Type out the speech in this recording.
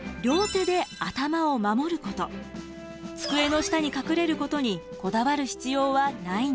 机の下に隠れることにこだわる必要はないんです。